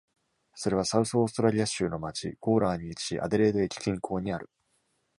それはサウス・オーストラリア州の町、ゴーラーに位置し、アデレード駅近郊にある。